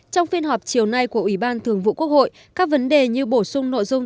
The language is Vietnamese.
trong phiên họp chiều nay của ủy ban thường vụ quốc hội các vấn đề như bổ sung nội dung